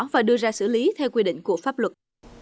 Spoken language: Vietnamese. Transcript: và đưa ra xử lý theo quy định của pháp luật